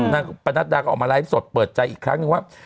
ปนัดดาก็ออกมาไลฟ์สดเปิดใจอีกครั้งนึงว่า